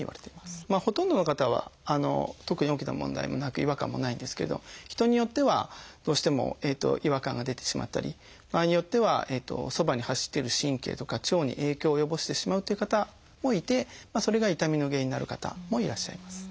ほとんどの方は特に大きな問題もなく違和感もないんですけど人によってはどうしても違和感が出てしまったり場合によってはそばに走っている神経とか腸に影響を及ぼしてしまうという方もいてそれが痛みの原因になる方もいらっしゃいます。